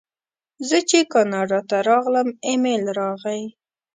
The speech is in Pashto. زه چې کاناډا ته راغلم ایمېل راغی.